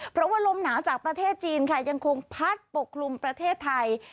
เพราะว่าลมหนาวจากประเทศจีนค่ะยังคงพัดปกคลุมประเทศไทย